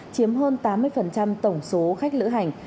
chiếm hơn tám mươi tổng số khách lữ hành